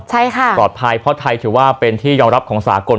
ใช่ค่ะปลอดภัยเพราะไทยถือว่าเป็นที่ยอมรับของสากล